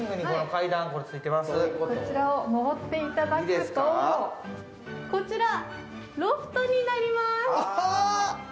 ここちらを上っていただくと、ロフトになります。